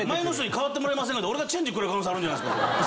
俺がチェンジ食らう可能性あるんじゃないですか。